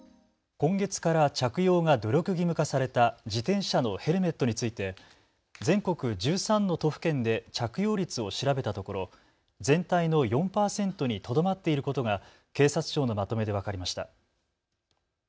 今月から着用が努力義務化された自転車のヘルメットについて全国１３の都府県で着用率を調べたところ全体の４％にとどまっていることが警察庁のまとめで分かりました。